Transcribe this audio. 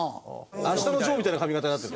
『あしたのジョー』みたいな髪形になってる。